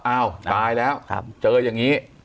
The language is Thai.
อ้าวตายแล้วเจออย่างนี้